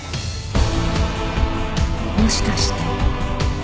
もしかして。